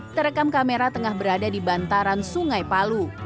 terekam kamera tengah berada di bantaran sungai palu